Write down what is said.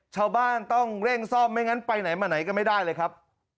ชาวบ้านต้องเร่งซ่อมไม่งั้นไปไหนมาไหนก็ไม่ได้เลยครับ